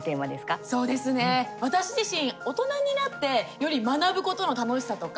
私自身、大人になってより学ぶことの楽しさとか